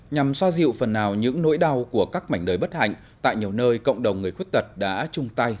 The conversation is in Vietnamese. nhằm xoa dịu phần nào những nỗi đau của các mảnh đời bất hạnh tại nhiều nơi cộng đồng người khuyết tật đã chung tay